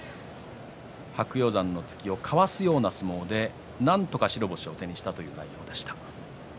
白鷹山の突きをかわすような相撲でなんとか白星を手にしたという熱海富士です。